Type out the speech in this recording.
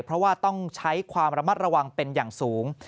เพราะว่าต้องใช้ความระมัดระวังเป็นอย่างสูง